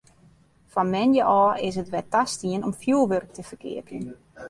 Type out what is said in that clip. Fan moandei ôf is it wer tastien om fjoerwurk te ferkeapjen.